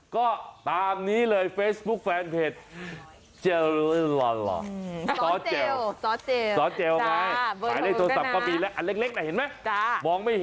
ก็ตามนี้เลยเฟซบุ๊กแฟนเพจเจลซอสเจลซอสเจลซอสเจลซอสเจลไง